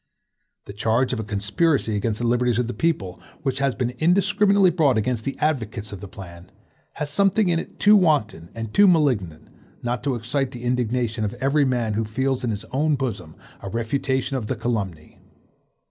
The charge of a conspiracy against the liberties of the people, which has been indiscriminately brought against the advocates of the plan, has something in it too wanton and too malignant, not to excite the indignation of every man who feels in his own bosom a refutation of the calumny.